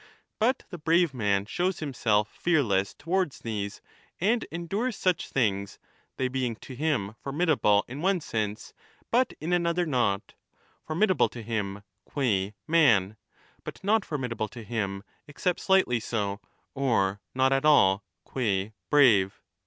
But the brave man shows himself fearless towards these and endures such things, they being to him formidable in one sense but in another not — formidable to him qua man, but not formidable to him except slightly so, or not at all, qua brave.